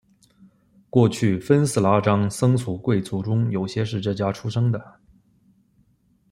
过去分寺拉章僧俗贵族中有些是这家出生的。